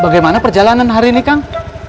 bagaimana perjalanan hari ini kang